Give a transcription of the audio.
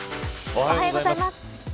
おはようございます。